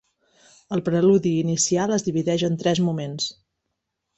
El preludi inicial es divideix en tres moments.